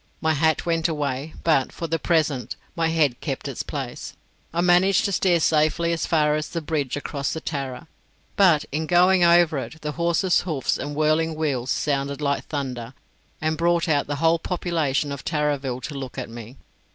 My hat went away, but, for the present, my head kept its place. I managed to steer safely as far as the bridge across the Tarra but, in going over it, the horse's hoofs and whirling wheels sounded like thunder, and brought out the whole population of Tarraville to look at me.